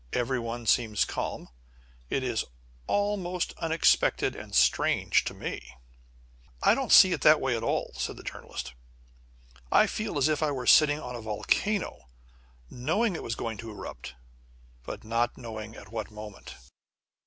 Every one seems calm. It is all most unexpected and strange to me." "I don't see it that way at all," said the Journalist. "I feel as if I were sitting on a volcano, knowing it was going to erupt, but not knowing at what moment."